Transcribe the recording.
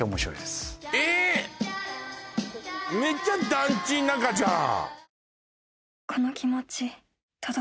めっちゃ団地の中じゃん